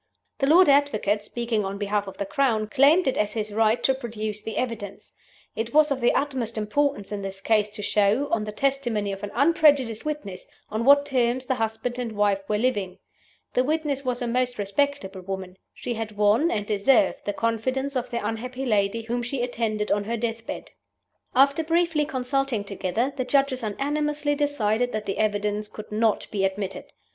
The Lord Advocate (speaking on behalf of the Crown) claimed it as his right to produce the evidence. It was of the utmost importance in this case to show (on the testimony of an unprejudiced witness) on what terms the husband and wife were living. The witness was a most respectable woman. She had won, and deserved, the confidence of the unhappy lady whom she attended on her death bed. After briefly consulting together, the Judges unanimously decided that the evidence could not be admitted.